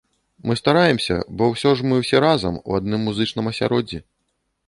Мы стараемся, бо ўсё ж мы ўсе разам, у адным музычным асяроддзі.